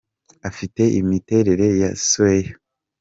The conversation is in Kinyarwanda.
Afite imiterere ya square “H” .